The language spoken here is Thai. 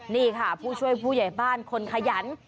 นี่ค่ะผู้ช่วยผู้ใหญ่บ้านคนขยัน